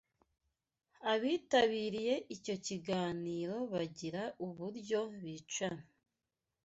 Abitabiriye icyo kiganiro bagira uburyo bicara